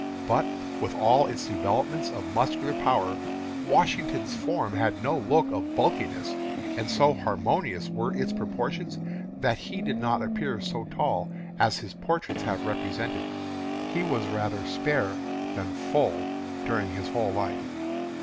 But with all its development of muscular power, Washington's form had no look of bulkiness, and so harmonious were its proportions that he did not appear so tall as his portraits have represented. He was rather spare than full during his whole life.